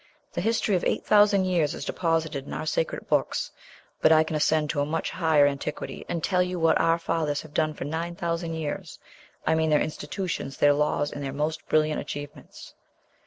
The history of eight thousand years is deposited in our sacred books; but I can ascend to a much higher antiquity, and tell you what our fathers have done for nine thousand years; I mean their institutions, their laws, and their most brilliant achievements."